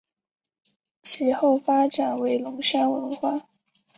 其后发展为龙山文化。